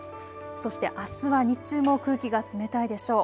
そしてあすは日中も空気が冷たいでしょう。